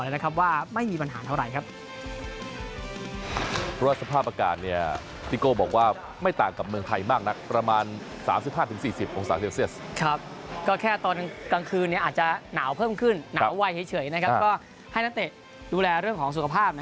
ในการดูแลเพื่อศาสตร์เซียวเซียซ